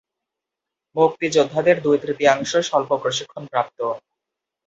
মুক্তিযোদ্ধাদের দুই-তৃতীয়াংশ স্বল্প প্রশিক্ষণপ্রাপ্ত।